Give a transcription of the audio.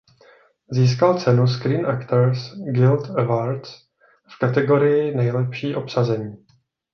Získal cenu Screen Actors Guild Awards v kategorii Nejlepší obsazení.